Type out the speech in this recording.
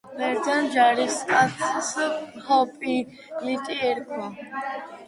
ბერძენ ჯარისკაცს ჰოპლიტი ერქვა.